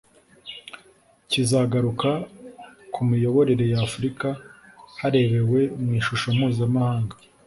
kizagaruka ku miyoborere ya Afurika harebewe mu ishusho mpuzamahanga